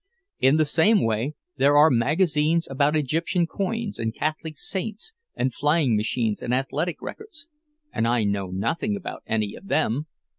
In the same way there are magazines about Egyptian coins, and Catholic saints, and flying machines, and athletic records, and I know nothing about any of them.